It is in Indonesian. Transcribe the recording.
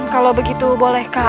kalau begitu bolehkah